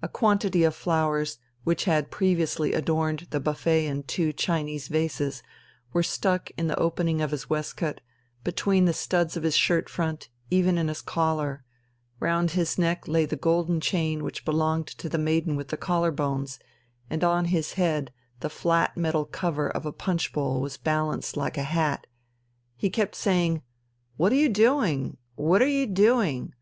A quantity of flowers, which had previously adorned the buffet in two Chinese vases, were stuck in the opening of his waistcoat, between the studs of his shirtfront, even in his collar; round his neck lay the gold chain which belonged to the maiden with the collar bones, and on his head the flat metal cover of a punch bowl was balanced like a hat. He kept saying, "What are you doing? What are you doing